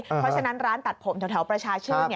เพราะฉะนั้นร้านตัดผมแถวประชาชื่น